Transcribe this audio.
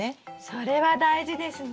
それは大事ですね。